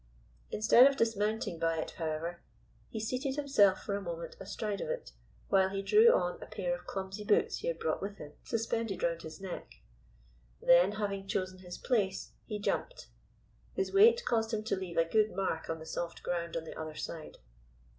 Instead of dismounting by it, however, he seated himself for a moment astride of it, while he drew on a pair of clumsy boots he had brought with him, suspended round his neck. Then, having chosen his place, he jumped. His weight caused him to leave a good mark on the soft ground on the other side.